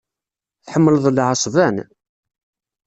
Tḥemmleḍ lɛesban?